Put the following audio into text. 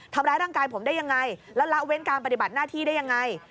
ทำร้ายร่างกายผมได้ยังไงแล้วละเว้นการปฏิบัติหน้าที่ได้ยังไง